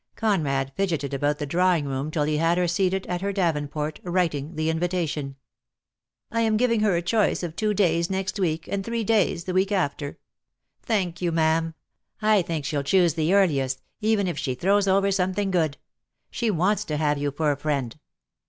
Conrad fidgeted about the drawing room till he had her seated at her Davenport, writing the invitation, "I am giving her a choice of two days next week, and three days the week after." "Thank you, ma'am. I think she'll choose the earliest, even if she throws over something good. She wants to have you for a friend."